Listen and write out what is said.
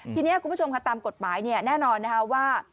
ทีนี้คุณผู้ชมค่ะตามกฎหมายแน่นอนนะคะว่า